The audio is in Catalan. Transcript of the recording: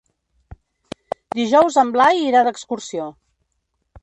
Dijous en Blai irà d'excursió.